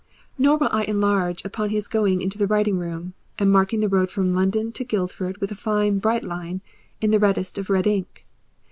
Nor will I enlarge upon his going into the writing room, and marking the road from London to Guildford with a fine, bright line of the reddest of red ink.